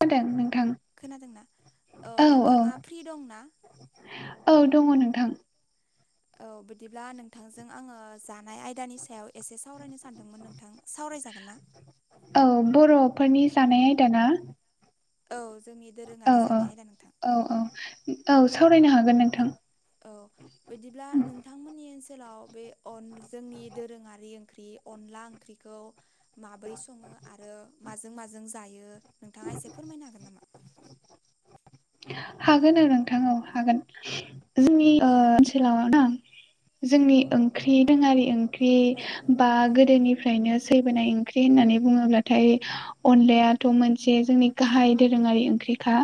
[unintelligible] नों खोनादोंना औ नोंथाङा फ्रि दं ना? औ दङ नोंथां। औ बिदिब्ला नोंथांजों आङो जानाय आयदानि सायाव एसे सावरायनो सानदोंमोन नोंथां सावरायजागोन ना? फोरनि जानाय आयदा ना औ जोंनि औ दोरोङारि औ जानाय आयदा नोंथां औ औ औ सावरायनो हागोन नोंथां। औ बिदिब्ला नोंथांमोननि ओनसो सोलाव बे अन जोंनि दोरोङारि ओंख्रि अनला ओंख्रिखौ माबोरै सङो आरो माजों माजों जायो नोंथाङा एसे फोरमायनो हागोन नामा? हागोन औ नोंथां औ हागोन जोंनि ओ औ ओनसोलाव ना जोंनि ओंख्रि दोङारि ओंख्रि औ बा गोदोनि फ्रायनो सैबोनाय ओंख्रै होननानै बुङोब्लाथाय अनलायाथ' मोन से जोंनि गाहाय दोरोङारि ओंख्रिखा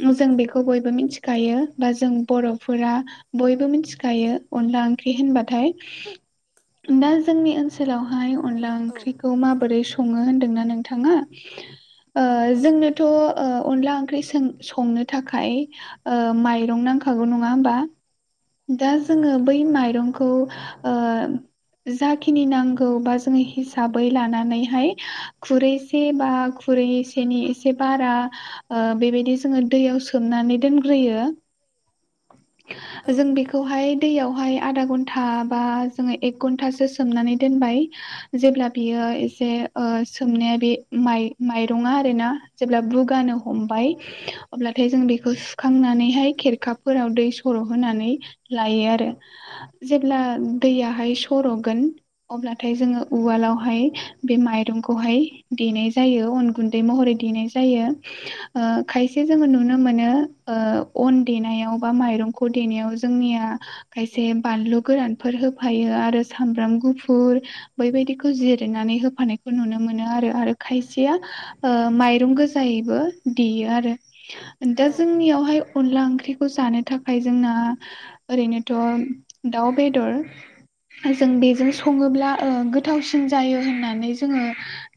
जों बेखौ बयबो मोनथिखायो बा जों बर'फोरा बयबो मोनथिखायो अनला ओंख्रि होनबाथाय दा जोंनि ओनसो लावहाय औ अनला औ ओंख्रिखौ माबोरै सङो होनदोंना नोंथाङा ओ औ जोंनोथ' ओ अनला ओंख्रि सों संनो थाखाय ओ माइरं नांखागौ नङा होमबा दा औ जोङो बै माइरंखौ ओ [unintelligible] जाखिनि नांगौ बा जोङो हिसाबै लानानैहाय खुरैसे बा खुरै सेनि एसे बारा ओ बेबायदि जोङो दैयाव सोमनानै दोनग्रोयो [unintelligible] औ जों बेखौहाय दैयावहाय आधा घन्टा बा जोङो एक घन्टासो सोमनानै दोन बाय जेब्ला बियो एसे ओ सोमनाया बि माइ माइ रंआ आरो ना जेब्ला बुगानो हमबाय अब्लाथाय जों बे खौ सुखांनानैहाय खेरखाफोराव दै सर' होनानै लायो आरो जेब्ला ओ दैयाहाय सर'गोन अब्लाथाय जोङो उवालावहाय बे माइरंखौहाय देनाय जायो अन गुन्दै महरै देनाय जायो ओ खायसे जोङो नुनो मोनो ओ अन देनाय याव बा मायरंखौ देनायाव जोंनिया खायसे बानलु गोरानफोर होफायो आरो साम ब्राम गुफुर बैबायदिखौ जिरनानै होफानायखौ नुनो मोनो आरो आरो खायसेया ओ माइरं गोजायैबो देयो आरो दा जोंनियावहाय अनला ओंख्रिखौ जानो थाखाय जोंना ओरैनोथ' दाउ बेदर जों बेजों सङोब्ला ओ गोथावसिन जायो होननानै जोङो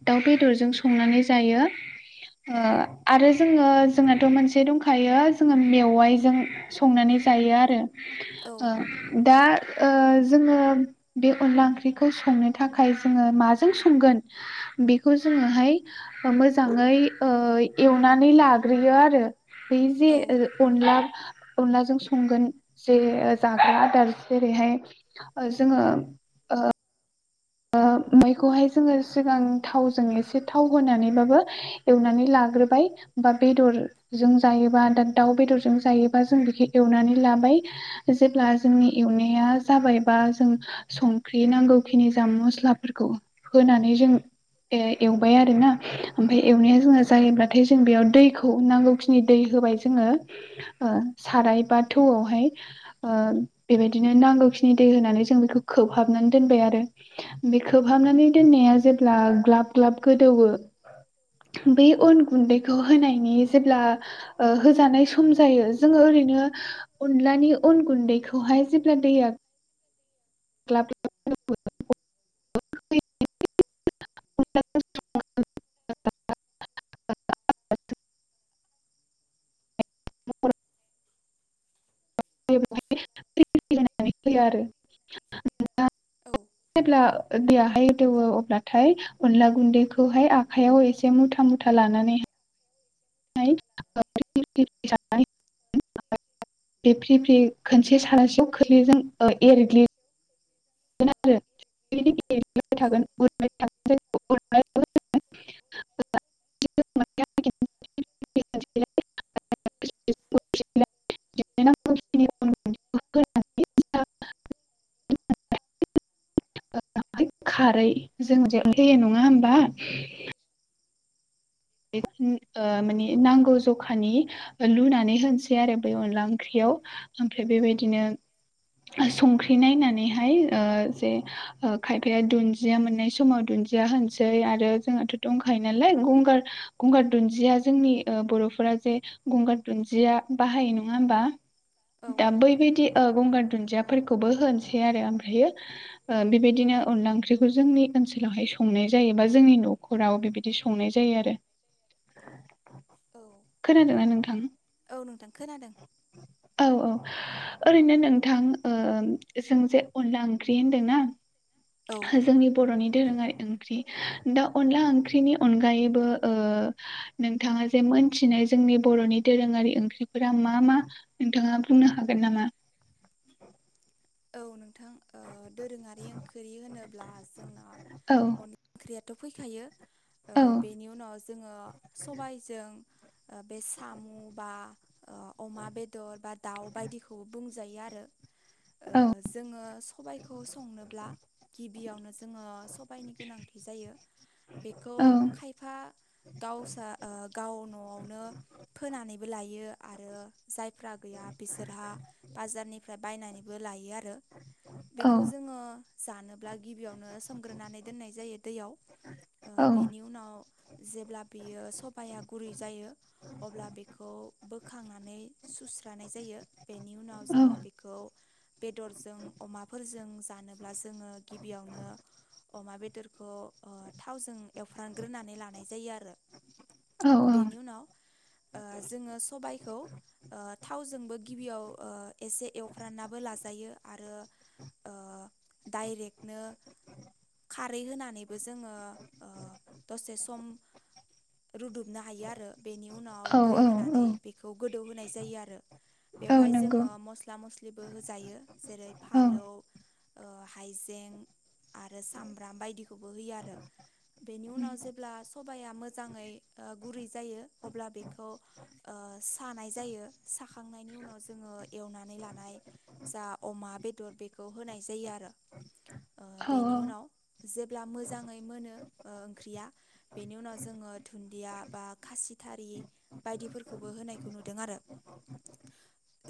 दाउ बेदरजों संनानै जायो। ओ आरो जोङो जोंनाथ' मोनसे दंखायो जोङो मेवाइजों संनानै जायो आरो औ ओ दा ओ जोङो बे अनला ओंख्रिखौ संनो थाखाय जोङो माजों संगोन बेखौ जों मोजाङै ओ एवनानै लाग्रोयो आरो बै जे औ अनला अनलाजों संगोन जे जाग्रा आदार जेरैहाय ओ जोङो ओ मैखौहाय जोङो सिगां थावजों एसे थाव होनानैबाबो एवनानै ला ग्रोबाय बा बेदरजों जायोबा दाउ बेदरजों जायोबा जों बेखौ एवनानै ला बाय जेब्ला जोंनि एवनाया जाबाय बा जों संख्रि नांगौ खिनि मस्लाफोरखौ होननानै जों ए एवबाय आरो ना ओमफाय एवनाया जोङो जायोब्लाथाय जों बेयाव दैखौ नांगौखिनि दै होबाय जोङो ओ साराय बा थौआवहाय ओ बेबादिनो नांगौ खिनि दै होनानै जों बेखौ खोबहाबनानै दोनबाय आरो बे खोबहाबनानै दोननाया जेब्ला ग्लाब ग्लाब गोदौवो बे अन गुन्दैखौ होनायनि जेब्ला ओ होजानाय सम जायो जोङो ओरै ओैनो अनलानि अन गुन्दैखौहाय जेब्ला दैया [unintelligible] [unintelligible] [unintelligible] [unintelligible] आरो [unintelligible] दौवो अब्लाथाय अनला गुन्दैखौहाय आखाइयाव एसे मुथा मुथा लानानै [unintelligible] बे फ्रि फ्रि खनसे [unintelligible] एरग्लि औ [unintelligible] [unintelligible] [unintelligible] [unintelligible] [inaudible] खारै जों जे होयो नङा होमबा ओ माने नांगौ जखानि लुनानै होनसै आरो बे अनला ओंख्रियाव ओमफ्राय बेबायदिनो संख्रि नायनानैहाय ओ जे ओ खायफाया दुन्दिया मोननाय समाव दु दुनदिया होनिसै आरो जोंहाथ' दंखायो नालाय गंगार गंगार दुन्दिया जोंनि बर'फोरा जे गंगार दुन्दिया बाहायो नङा होमबा दा बैबायदि ओ गंगार दुन्दियाफोरखौबो होनोसै आरो ओमफ्रायो ओ बेबायदिनो अनला ओंख्रिखौ जोंनि ओनसोलावहाय संनाय जायोबा जोंनि न'खराव बिबायदि संनाय जायो आरो औ औ खोनादोंना नोंथां औ नोंथां खोनादों औ औ ओरैनो नोंथां ओ जोंजे अनला ओंख्रि होनदोंना औ जोंनि बर'नि दोरोङारि ओंख्रि दा अनला ओंख्रिनि अनगायैबो ओ [unintelligible] नोंथाङा जे मोनथिनाय जोंनि बरनि दोरोङारि ओंख्रिफोरा मा मा नोंथाङा बुंनो हागोन नामा [inaudible] औ नोंथां ओ दोरोङारि ओंख्रि होनोब्ला जोंना औ अन ओंख्रिया थ फैखायो औ ओ बेनि उनाव जोङो सबायजों ओ बे साम बा ओ अमा बेदर बा दाउ बायदिखौ बुं जायो आरो ओ औ जोङो स सबाइखौ संनोब्ला गिबियावनो जोङो सबाइनि गोनांथि जायो बेखौ खायफा गावसा ओ गाव नआवनो फोनानै बो लायो आरो जायफ्रा गैया बिसोरहा बाजारनिफ्राय बा बो लायो आरो औ बेखौ जोङो जानोब्ला गिबियावनो सोमग्रोनानै दोननाय जायो दैयाव ओ बेनि औ उनाव जेब्ला बियो सबाया गुरै जायो अब्ला बेखौ बोखांनानै सुस्रानाय जायो बेनि उनाव जोङो बेखौ बेदरजों अमाफोरजों जानोब्ला जोङो गिबियावनो अमा बेदरखौ ओ थावजों एवफ्रामग्रोनानै लानाय जायो आरो औ औ बेनि उनाव ओ जोङो सबाइखौ ओ थावजोंबो गिबियाव ओ एसे एव फोराननाबो लाजायो आरो ओ डाइरेक्टनो खारै होनानै जों ओ दसे सम रुदुबनो हायो आरो बेनि औ उनाव दै औ औ होनानै बेखौ गोदौ होनाय जायो आरो औ बेयावहाय नंगौ जोङो मस्ला मस्लि बो होजायो जेरै औ फालौ ओ हायजें आरो सामब्राम बायदिखौबो होयो आरो बेनि उनाव जेब्ला सबाया मोजाङै ओ गुरै जायो अब्ला बेखौ ओ ओ सानाय जायो साखांनायनि उनाव जोङो एवनानै लानाय जा अमा बेदर बेखौ होनाय जायो आरो ओ औ बेनि उनाव जेब्ला मोजाङै मोनो ओ ओंख्रिया बेनि उनाव जों ओ दुन्दिया बा खासिथारि बायदिफोरखौबो होनायखौ नुदों आरो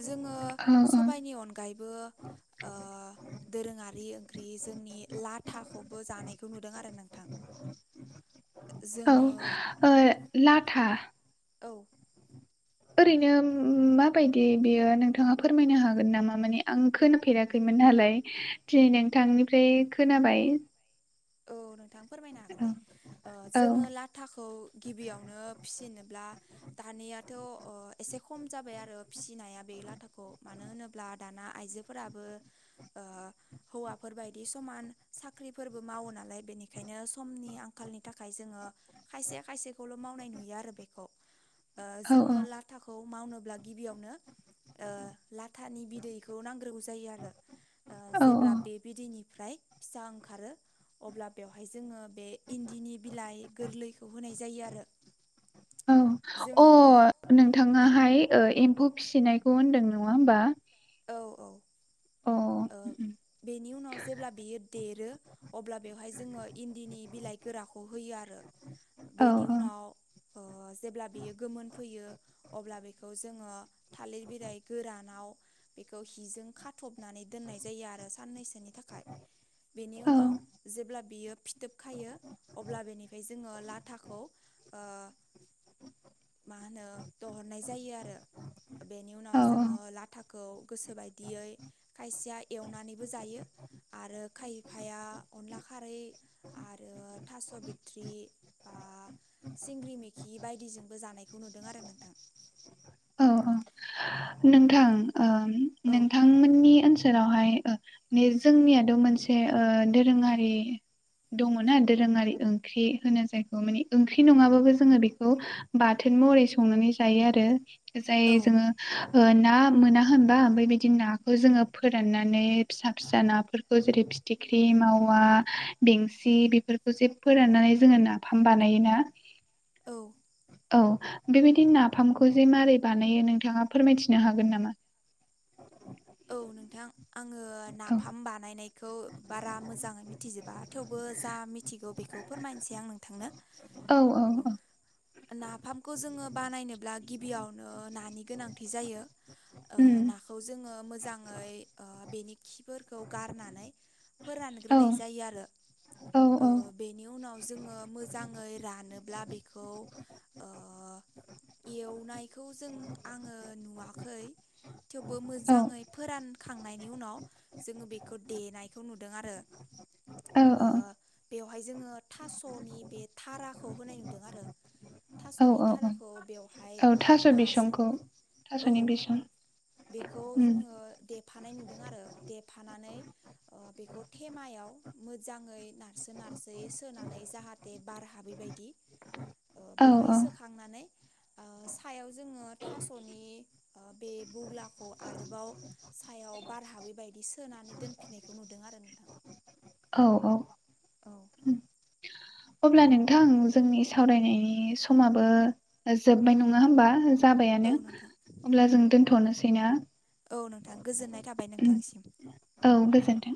जोङो औ नि अनगायैबो ओ दोरोङारि ओंख्रि जोंनि लाथाखौबो जानायखौ नुदों आरो नोंथां। [inaudible] औ ओ लाथा औ ओरैनो माबायदि बियो नोंथाङा फोरमायनो हागोन नामा मानि आं खोनाफेराखैमोन। नालाय दिनै नोंथांनिफ्राय खोनाबाय औ नोंथां फोरमायनो हागोन औ दे जोङो लाथाखौ गिबियावनो फिसिनोब्ला आ दानियाथ अ एसे खम जाबाय आरो फिसिनाया बे लाथाखौ मानो होनोब्ला दाना आइजोफोराबो ओ हौवाफोर बायदि समान साख्रिफोरबो मावो नालाय बेनिखायनो समनि आंखालनि थाखाय जोङो खायसे खायसेखौल मावनाय नुयो आरो बे खौ ओ औ जोङो लाथाखौ मावनोब्ला गिबियावनो ओ लाथानि बिदैखौ नांग्रोगौ जायो आरो ओ औ जेब्ला बे बिदैनिफ्राय फिसा ओंखारो अब्ला बेवहाय जोङो बे इन्दिनि बिलाइ गोरलैखौ होनाय जायो आरो [inaudible] औ जोङो ओ अ नोंथां फाय ओ एम्फौ फिसिनायखौ होनदों नङा होमबा औ औ अ ओ बेनि उनाव जेब्ला बियो देरो अब्ला बेवहाय जोङो इन्दिनि बिलाइ गोराखौ होयो आरो औ बेनि उनाव ओ जेब्ला बेयो गोमोन फैयो अब्ला बेखौ जोङो थालिर बिलाइ गोरानाव बेखौ हिजों खाथबनानै दोननाय जायो आरो साननैसोनि थाखाय बेनि औ उनाव जेब्ला बियो फिथोब खायो अब्ला बेनिफ्राय जोङो लाथाखौ ओ माहोनो दहरनाय जायो आरो बेनि उनाव औ जोङो लाथाखौ गोसोबायदियै खायसेया एवनानैबो जायो आरो खायफाया अनला खारै आरो थास' बिथत्रि बा सिंग्रि मेखि बायदिजोंबो जानायखौ नुदों आरो नोंथां औ अ नोंथां ओ औ ओनसोलावहाय जोंनियाथ' मोनसे ओ दोरोङारि दङना दोरोङारि ओंख्रि होनो जायखौ माने ओंख्रि नङाबाबो जोङो बेखौ बाथो मरै संनानै जायो आरो जाय औ जोङो ना मोना होनबा बेबायदि नाखौ जोङो फोराननानै फिसा फिसा नाफोरखौ जेरै फिथिख्रि मावा बेंसि बे जे फोराननानै जोङो नाफाम बानायोना औ औ बेबायदि नाफामखौ जे मारै बानायो नोंथाङा फोरमायथिनो हागोन नामा? औ नोंथां आङो औ नाफाम बानायनाय खौ बारा मोजाङै मिथिजोबा थेवबो जा मिथिगौ बेखौ फोरमायनोसै आं नोंथांनो औ औ औ नाफामखौ जोङो बानायनोब्ला गिबियावनो नानि गोनांथि जायो ओ उम नाखौ जोङो मोजाङै बेनि खिफोरखौ गारनानै औ फोरानग्रोनाय जायो आरो औ ओ औ बेनि उनाव जोङो मोजाङै रानोब्ला बेखौ एवनायखौ जों आङो नुवाखै थेवबो औ मोजां मोजाङै फोरानखांनायनि उनाव जोङो बेखौ देनायखौ नुदों आरो औ ओ औ बेवहाय जोङो थास'नि बे थाराखौ होनाय नुदों आरो औ थास'नि औ औ थाराखौ बेवहाय नाजों औ थसनि बेसन बेखौ जोङो देफानाय नुदों आरो देफानानै बेखौ थेमायाव मोजाङै नारसोन नारसोयै सोनानै जाहाथे बार हाबै दि औ बेवहाय सोखांनानै ओ सायाव जोङो थास'नि बे बुग्लाखौ आरोबाव सायाव बार हाबै बायदि सोनानै दोनफिननायखौ नुदों आरो नोंथां औ औ [inaudible] अब्ला नोंथां जोंनि सावरायनायनि समाबो जोबबाय नङा होमबा? औ जाबायानो नोंथां अब्ला जों दोन्थ'नोसैना? औ नोंथां गोजोननाय थाबाय नोंथांनिसिम। औ गोजोन्थों